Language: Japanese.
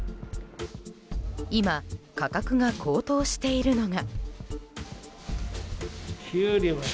今、価格が高騰しているのが。